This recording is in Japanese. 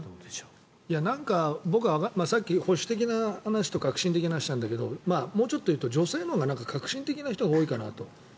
僕、さっき保守的な話と革新的な話なんだけどもうちょっと言うと女性のほうが革新的な人が多いかなと。